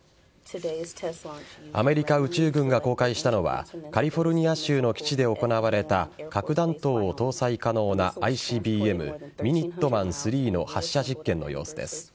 アメリカ宇宙軍が公開したのはカリフォルニア州の基地で行われた核弾頭を搭載可能なＩＣＢＭミニットマン３の発射実験の様子です。